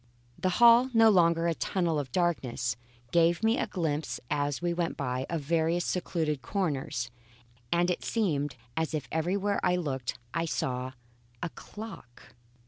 The hall, no longer a tunnel of darkness, gave me a glimpse as we went by, of various secluded corners, and it seemed as if everywhere I looked I saw a clock.